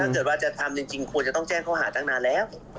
ถ้าเกิดว่าจะทำจริงควรจะต้องแจ้งข้อหาตั้งนานแล้ว